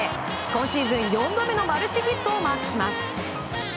今シーズン４度目のマルチヒットをマークします。